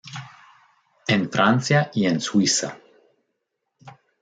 En Francia y en Suiza.